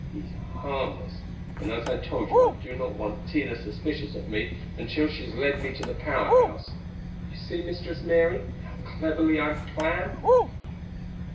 He is harmless; and as I told you I do not want Tina suspicious of me until she has led me to the Power House.... You see, Mistress Mary, how cleverly I plan?"